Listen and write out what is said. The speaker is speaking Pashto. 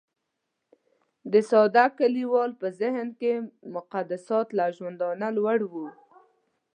د ساده کليوال په ذهن کې مقدسات له ژوندانه لوړ وو.